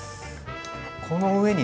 この上に。